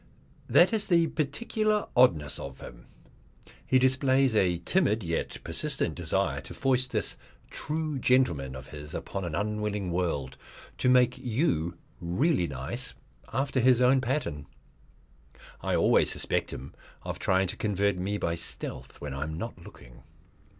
That is the particular oddness of him. He displays a timid yet persistent desire to foist this True Gentleman of his upon an unwilling world, to make you Really Nice after his own pattern. I always suspect him of trying to convert me by stealth when I am not looking.